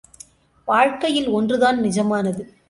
வாழ்க்கையில் ஒன்று தான் நிஜமானது.